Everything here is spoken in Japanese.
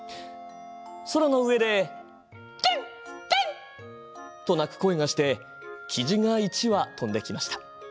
空の上でケンケンと鳴く声がしてキジが１羽飛んできました。